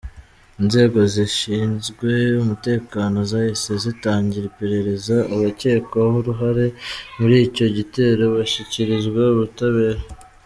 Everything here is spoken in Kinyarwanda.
Inzego zishinzwe umutekano zahise zitangira iperereza, abakekwaho uruhare muri icyo gitero bashyikirizwa ubutabera.